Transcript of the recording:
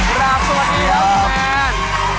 สวัสดีครับแฟน